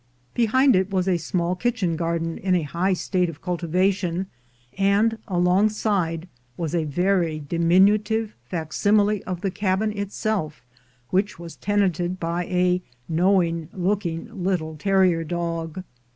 Behind it was a small kitchen garden in a high state of cultivation, and alongside was a very diminutive fac simile of the cabin itself, which was tenanted by a knowing looking little terrier dog.